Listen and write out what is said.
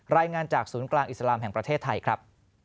รายงานจากศูนย์กลางอิสลามแห่งประเทศไทยครับ